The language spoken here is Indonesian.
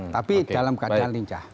tapi dalam keadaan lincah